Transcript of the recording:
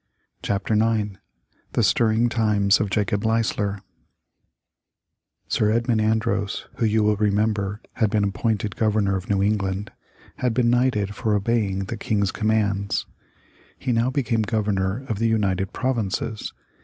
CHAPTER IX THE STIRRING TIMES of JACOB LEISLER Sir Edmund Andros, who, you will remember, had been appointed Governor of New England, had been knighted for obeying the King's commands. He now became Governor of the united provinces.